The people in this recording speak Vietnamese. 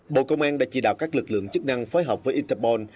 bộ công an đã chỉ đạo các lực lượng chức năng phối hợp với interbon